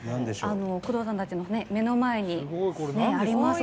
宮藤さんたちの目の前にあります